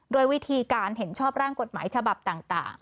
โดยวิธีการเห็นชอบร่างกฎหมายฉบับต่าง